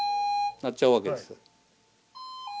鳴っちゃうわけです。